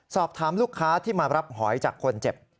สอบถามลูกค้าที่มารับหอยจากคนเจ็บ